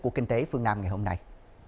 của kinh tế phương nam ngày hôm nay